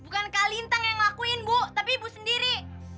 bukan kak lintang yang ngelakuin bu tapi ibu sendiri